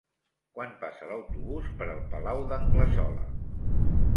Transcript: Quan passa l'autobús per el Palau d'Anglesola?